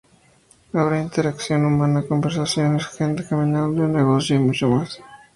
Habrá interacción humana, conversaciones, gente caminando, negocio y mucho más.